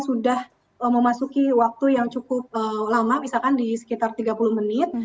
sudah memasuki waktu yang cukup lama misalkan di sekitar tiga puluh menit